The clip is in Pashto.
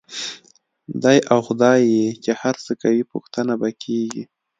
دی او خدای یې چې هر څه کوي، پوښتنه به کېږي.